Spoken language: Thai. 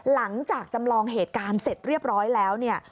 หลังจากจำลองเหตุการณ์เสร็จเรียบร้อยแล้วเนี่ย